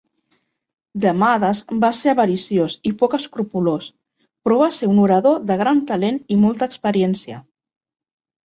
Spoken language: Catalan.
Demades va ser avariciós i poc escrupolós, però va ser un orador de gran talent i molta experiència.